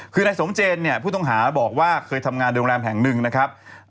คือนายสมเจนเนี่ยผู้ต้องหาบอกว่าเคยทำงานโรงแรมแห่งหนึ่งนะครับ